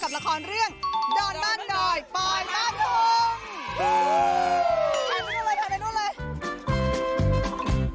กับละครเรื่องดอนบ้านหน่อยปล่อยมาทุ่ม